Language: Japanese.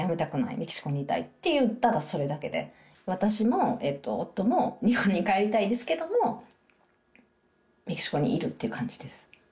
メキシコにいたいって、ただそれだけで、私も夫も日本に帰りたいですけども、メキシコにいるって感じです。